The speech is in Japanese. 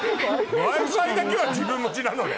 Ｗｉ−Ｆｉだけは自分持ちなのね。